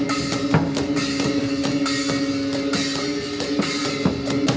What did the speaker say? สวัสดีสวัสดี